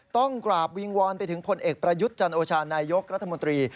ต้องกราบวิงวอนไปถึงผลเอกประยุทธ์จันโอชานายกรัฐมนตรี